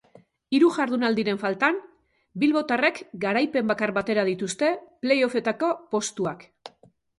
Hiru jardunaldiren faltan, bilbotarrek garaipen bakar batera dituzte play offetako postuak.